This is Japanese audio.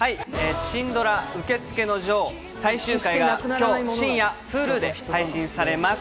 シンドラ『受付のジョー』最終回が今日深夜、Ｈｕｌｕで配信されます。